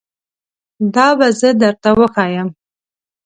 دا به زه درته وښایم